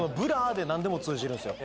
でなんでも通じるんですよ